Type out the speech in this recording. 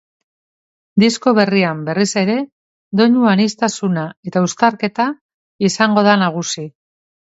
Disko berrian, berriz ere, doinu aniztasuna eta uztarketa izango da nagusi.